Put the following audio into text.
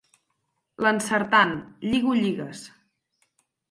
L'encertant: —Lligo lligues.